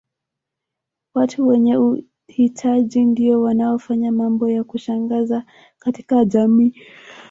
Watu wenye uhitaji ndio wanaofanya mambo ya kushangaza katika jamii